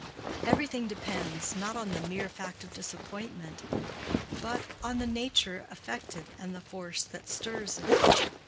Everything depends—not on the mere fact of disappointment, but—on the nature affected and the force that stirs it.